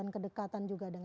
dan kedekatan juga dengan